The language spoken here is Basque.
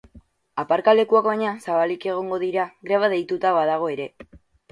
Aparkalekuak, baina, zabalik egongo dira, greba deituta badago ere.